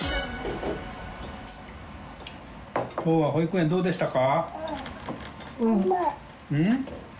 きょうは保育園どうでしたか？